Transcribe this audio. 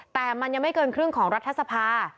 แต่มันยังไม่เกินครึ่งของรัฐสภา